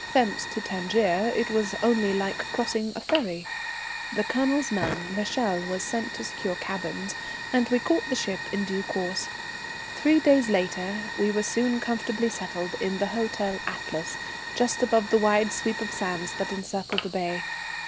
Thence to Tangier was only like crossing a ferry. The Colonel's man, l'Echelle, was sent to secure cabins, and we caught the ship in due course. Three days later we were soon comfortably settled in the Hotel Atlas, just above the wide sweep of sands that encircle the bay.